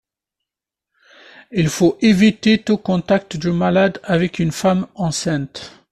Il faut éviter tout contact du malade avec une femme enceinte.